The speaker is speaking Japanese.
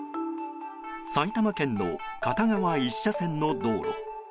埼玉県の片側１車線の道路。